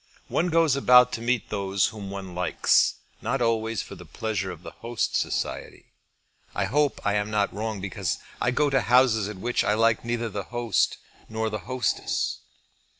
One goes about to meet those whom one likes, not always for the pleasure of the host's society. I hope I am not wrong because I go to houses at which I like neither the host nor the hostess."